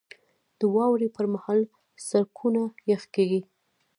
• د واورې پر مهال سړکونه یخ کېږي.